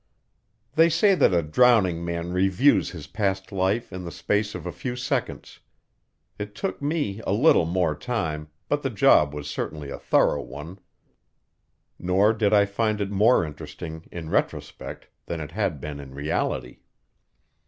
They say that a drowning man reviews his past life in the space of a few seconds; it took me a little more time, but the job was certainly a thorough one. Nor did I find it more interesting in retrospect than it had been in reality.